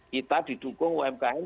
kita didukung umkm